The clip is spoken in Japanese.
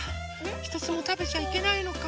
ひとつもたべちゃいけないのか。